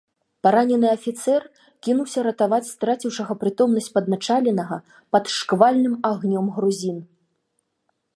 Паранены афіцэр кінуўся ратаваць страціўшага прытомнасць падначаленага пад шквальным агнём грузін.